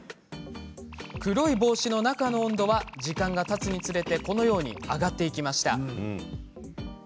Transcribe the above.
黒い帽子の中の温度は時間がたつにつれて、このように温度が上がっていきました。